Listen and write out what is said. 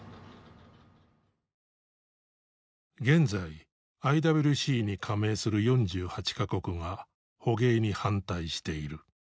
現在ＩＷＣに加盟する４８か国が捕鯨に反対している。